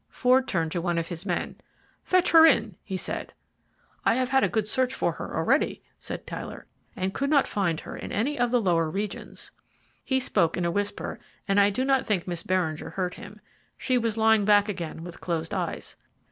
Ford turned to one of his men. "Fetch her in," he said. "I have had a good search for her already," said Tyler, "and could not find her in any of the lower regions." He spoke in a whisper, and I do not think Miss Beringer heard him. She was lying back again with closed eyes.